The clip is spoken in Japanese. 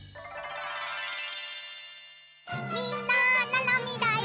みんなななみだよ。